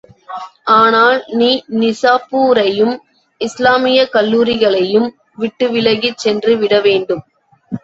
ஆனால், நீ நிசாப்பூரையும் இஸ்லாமியக் கல்லூரிகளையும் விட்டுவிலகிச் சென்று விடவேண்டும்.